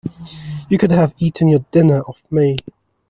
You could have eaten your dinner off me.